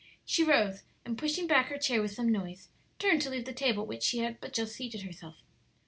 She rose, and pushing back her chair with some noise, turned to leave the table at which she had but just seated herself.